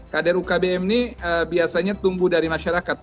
kader ukbm ini biasanya tumbuh dari masyarakat